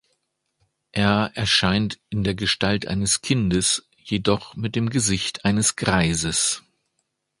Er erscheint in der Gestalt eines Kindes, jedoch mit dem Gesicht eines Greises.